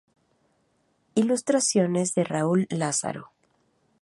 Ilustraciones de Raúl Lázaro.